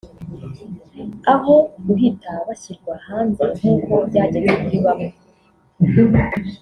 aho guhita bashyirwa hanze nk’uko byagenze kuri bamwe